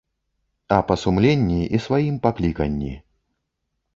А па сумленні і сваім пакліканні.